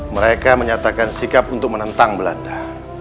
mereka menyatakan sikap untuk menentang belanda